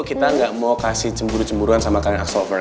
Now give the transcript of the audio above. kita gak mau kasih cemburu cemburuan sama kakak axelover